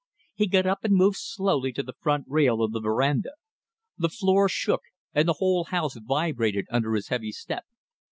He got up and moved slowly to the front rail of the verandah. The floor shook and the whole house vibrated under his heavy step.